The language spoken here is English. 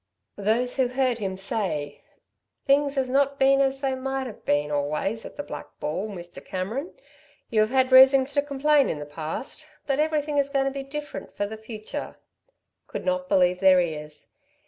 Those who heard him say: "Things has not been as they might have been, always, at the Black Bull, Mr. Cameron you have had reason to complain in the past but everything is goin' to be different for the future," could not believe their ears.